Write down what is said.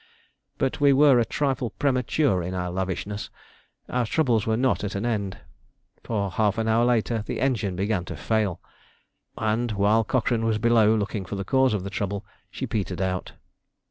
But we were a trifle premature in our lavishness. Our troubles were not at an end, for half an hour later the engine began to fail, and, while Cochrane was below looking for the cause of the trouble, she petered out.